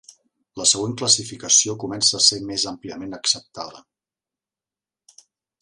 La següent classificació comença a ser més àmpliament acceptada.